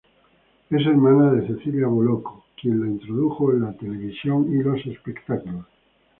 Es hermana de Cecilia Bolocco, quien la introdujo a la televisión y los espectáculos.